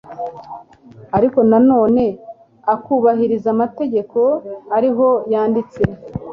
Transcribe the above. ariko nanone akubahiriza amategeko ariho yanditse